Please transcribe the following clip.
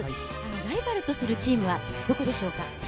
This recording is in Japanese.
ライバルとするチームはどこでしょうか？